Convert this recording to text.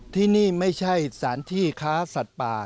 ที่นี่ไม่ใช่สารที่ค้าสัตว์ป่า